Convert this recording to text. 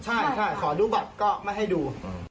ใช่ขอดูบัตรก็ไม่ให้ดู